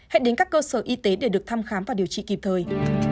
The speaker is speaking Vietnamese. hãy đến các cơ sở y tế để được thăm khám và điều trị kịp thời